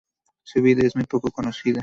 Su vida es muy poco conocida.